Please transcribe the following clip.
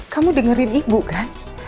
kamu dengerin ibu kan